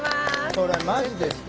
それマジですか？